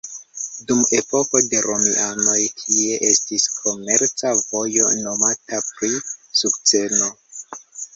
Dum epoko de romianoj tie estis komerca vojo nomata pri sukceno.